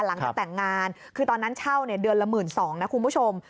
หลังจากแต่งงานคือตอนนั้นเช่าเดือนละ๑๒๐๐นะคุณผู้ชม